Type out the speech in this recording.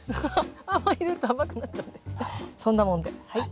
あんまり入れると甘くなっちゃうんでそんなもんではい。